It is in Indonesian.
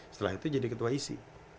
setelah itu jadi ketua isi